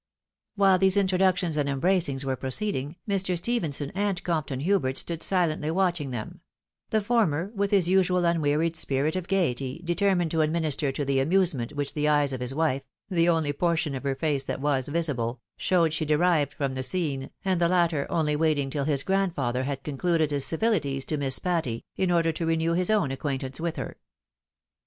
While these introductions and embracings were proceeding, Mr. Stephenson and Compton Hubert stood silently watching them; the former, with his usual unwearied spirit of gaiety, determined to administer to the amusement which the eyes of his wife — the only portion of her face that was visible — showed she derived from the scene, and the latter only waiting tiU his grandfather had concluded his civilities to Miss Patty, in order to renew his own acquaintance with her.